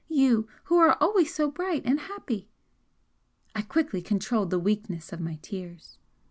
You, who are always so bright and happy!" I quickly controlled the weakness of my tears.